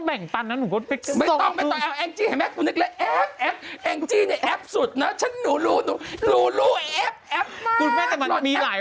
แอปคืออะไร